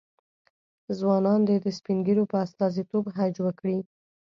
ځوانان دې د سپین ږیرو په استازیتوب حج وکړي.